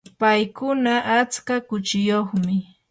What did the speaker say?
paykuna atska kuchiyuqmi.